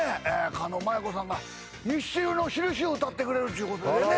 狩野舞子さんがミスチルの『しるし』を歌ってくれるっちゅうことでね。